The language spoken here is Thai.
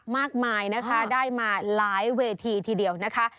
มากมายนะคะได้มาหลายเวทีทีเดียวนะคะ